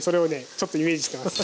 ちょっとイメージしてます。